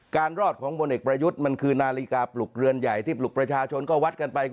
รอดของพลเอกประยุทธ์มันคือนาฬิกาปลุกเรือนใหญ่ที่ปลุกประชาชนก็วัดกันไป